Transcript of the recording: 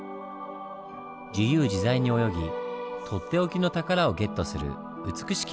自由自在に泳ぎとっておきの宝をゲットする美しき